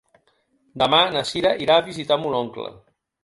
Demà na Sira irà a visitar mon oncle.